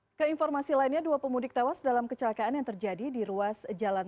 hai ke informasi lainnya dua pemudik tewas dalam kecelakaan yang terjadi di ruas jalan